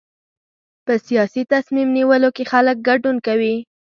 په سیاسي تصمیم نیولو کې خلک ګډون کوي.